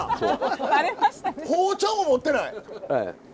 包丁も持ってない。